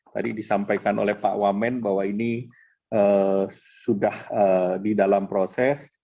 tadi disampaikan oleh pak wamen bahwa ini sudah di dalam proses